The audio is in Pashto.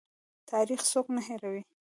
تاریخ څوک نه هیروي؟